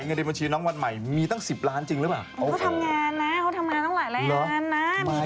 และเงินแบบบัญชีน้องวันใหม่มีตั้ง๑๐ล้านจริงหรือเปล่า